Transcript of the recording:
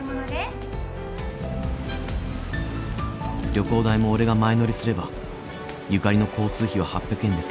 ［旅行代も俺が前乗りすればゆかりの交通費は８００円で済んだ］